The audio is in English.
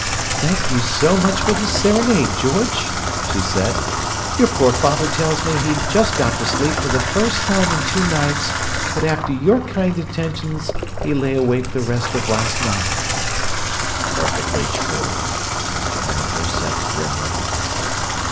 "Thank you so much for the serenade, George!" she said. "Your poor father tells me he'd just got to sleep for the first time in two nights, but after your kind attentions he lay awake the rest of last night." "Perfectly true," Mr. Minafer said grimly.